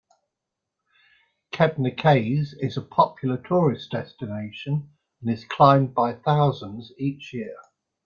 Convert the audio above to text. Kebnekaise is a popular tourist destination and is climbed by thousands each year.